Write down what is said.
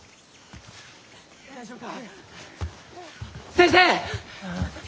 ・先生！